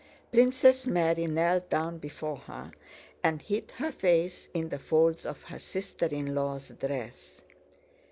Princess Mary knelt down before her and hid her face in the folds of her sister in law's dress.